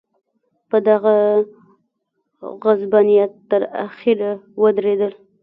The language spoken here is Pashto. په دغه غصبانیت تر اخره ودرېدل.